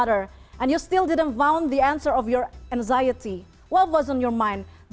dan anda masih belum menemukan jawaban kekhawatiran anda